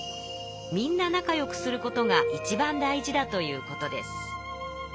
みんな仲良くすることがいちばん大事だ」ということです。